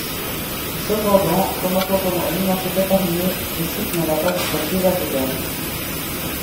Cependant, remarquant comment Eleena fut épargnée, le sith n'alla pas jusqu'à tuer la jedi.